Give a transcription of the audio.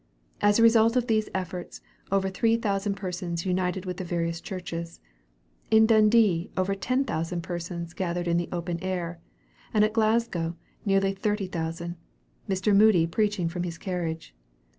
As a result of these efforts, over three thousand persons united with the various churches. In Dundee over ten thousand persons gathered in the open air, and at Glasgow nearly thirty thousand, Mr. Moody preaching from his carriage.